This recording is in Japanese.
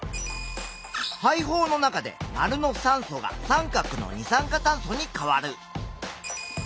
肺胞の中で●の酸素が▲の二酸化炭素に変わる。